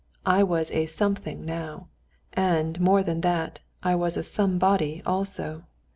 I was a something now. And, more than that, I was a somebody also.